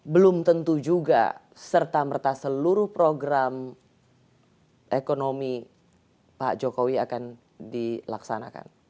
belum tentu juga serta merta seluruh program ekonomi pak jokowi akan dilaksanakan